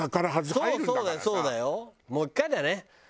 もう１回だね